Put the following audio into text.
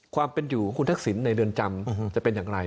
ความเป็นอยู่ของคุณทักษิณในเรือนจำจะเป็นอย่างไร